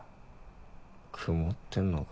曇ってんのか。